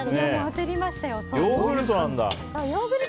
焦りましたよ。